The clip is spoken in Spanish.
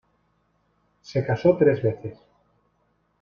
Se casó tres veces.